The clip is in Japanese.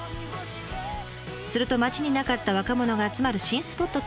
すると町になかった若者が集まる新スポットとして店は大人気。